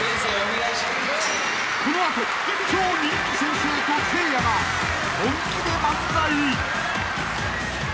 ［この後超人気先生とせいやが本気で漫才］